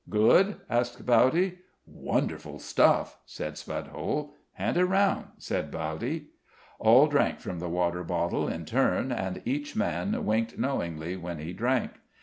"Good?" asked Bowdy. "Wonderful stuff," said Spudhole. "Hand it round," said Bowdy. All drank from the water bottle in turn, and each man winked knowingly when he drank.